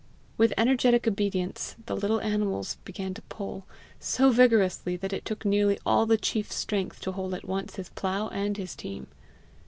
With energetic obedience the little animals began to pull so vigorously that it took nearly all the chief's strength to hold at once his plough and his team.